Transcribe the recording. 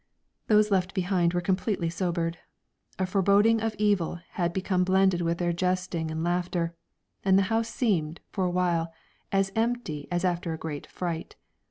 Those left behind were completely sobered; a foreboding of evil had become blended with their jesting and laughter, and the house seemed, for a while, as empty as after a great fright.